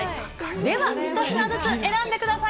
では１品ずつ選んでください。